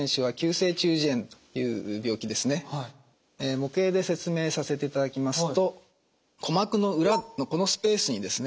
模型で説明させていただきますと鼓膜の裏のこのスペースにですね